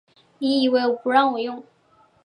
你以为不让我用